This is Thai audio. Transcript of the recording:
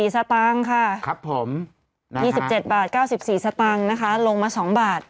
๙๔ซัตรังค่ะครับผม๒๗บาท๙๔ซัตรังนะคะลงมา๒บาท